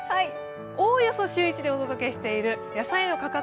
おおよそ週１でお届けしている野菜の価格。